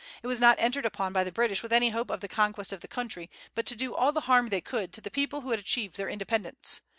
It was not entered upon by the British with any hope of the conquest of the country, but to do all the harm they could to the people who had achieved their independence.